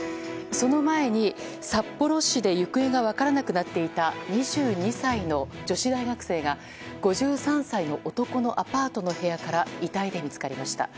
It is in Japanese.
その前に、札幌市で行方が分からなくなっていた２２歳の女子大学生が５３歳の男のアパートの部屋から遺体で見つかりました。